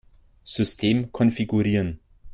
System konfigurieren.